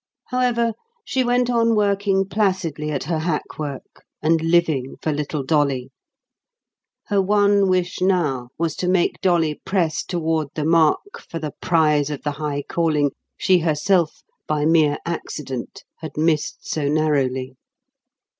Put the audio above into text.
However, she went on working placidly at her hack work, and living for little Dolly. Her one wish now was to make Dolly press toward the mark for the prize of the high calling she herself by mere accident had missed so narrowly.